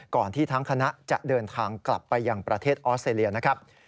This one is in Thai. ก่อนที่ทั้งคณะจะเดินทางกลับไปยังประเทศออสเตรเลียนะครับ